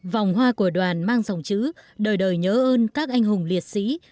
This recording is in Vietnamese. vòng hoa của đoàn mang dòng chữ đời đời nhớ ơn các anh hùng liệt sĩ